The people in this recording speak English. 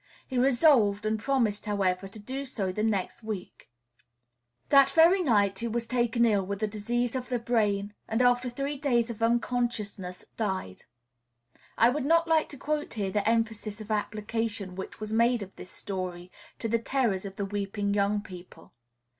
He resolved and promised, however, to do so the next week. That very night he was taken ill with a disease of the brain, and, after three days of unconsciousness, died. I would not like to quote here the emphasis of application which was made of this story to the terrors of the weeping young people.